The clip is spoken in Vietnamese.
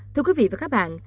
thưa quý vị và các bạn